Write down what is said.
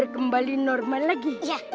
kembali normal lagi